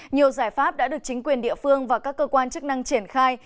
nhiều giải pháp đã được chính quyền địa phương và các cơ quan chức năng triển khai